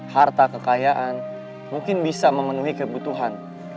harta kekayaan mungkin bisa memenuhi kebutuhan